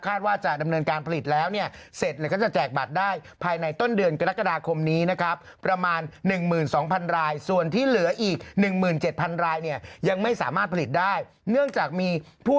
คาดว่าจะดำเนินการผลิตแล้ว